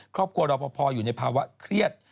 ครอบครัวรอปภอยู่ในภาวะเครียด